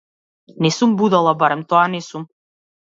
Не сум будала, барем тоа не сум.